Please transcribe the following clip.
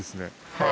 はい。